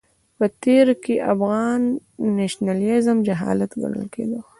په تېر کې افغان نېشنلېزم جهالت ګڼل کېده.